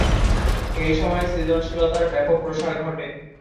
এই সময়ে সৃজনশীলতার ব্যাপক প্রসার ঘটে।